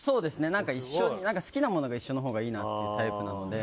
好きなものが一緒のほうがいいなっていうタイプなので。